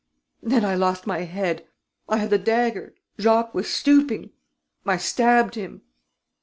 ... Then I lost my head. I had the dagger ... Jacques was stooping ... I stabbed him...."